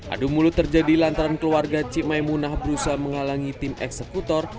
adu mulut terjadi lantaran keluarga cik maimunah berusaha menghalangi tim eksekutor